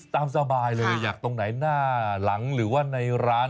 ตามสบายเลยอยากตรงไหนหน้าหลังหรือว่าในร้าน